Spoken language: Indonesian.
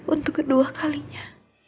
untuk kedua kalinya